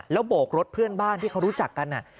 แล้วโบกรถเพื่อนบ้านที่เขารู้จักกัน